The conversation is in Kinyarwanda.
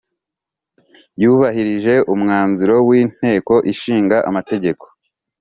yubahirije umwanzuro w' inteko ishinga amategeko